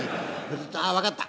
あっ分かった！